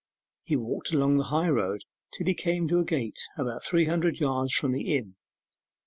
He walked along the high road till he came to a gate, about three hundred yards from the inn.